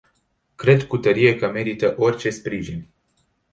Cred cu tărie că merită orice sprijin.